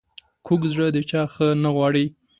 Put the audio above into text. کوږ زړه د چا ښه نه غواړي